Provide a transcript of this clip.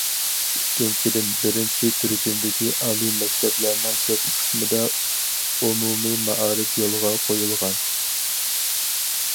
ئىككىنچىدىن، بىرىنچى تۈركۈمدىكى ئالىي مەكتەپلەرنىڭ كۆپ قىسمىدا ئومۇمىي مائارىپ يولغا قويۇلغان.